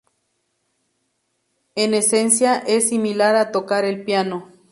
En esencia es similar a tocar el piano.